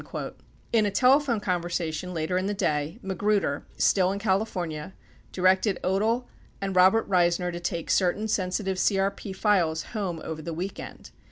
71 In a telephone conversation later in the day, Magruder, still in California, directed Odle and Robert Reisner to take certain sensitive CRP files home over the weekend.